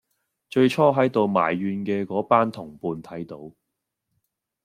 最初喺度埋怨嘅嗰班同伴睇到